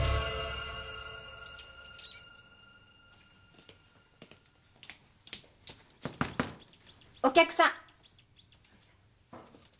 お客さん。